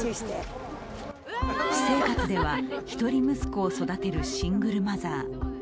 私生活では一人息子を育てるシングルマザー。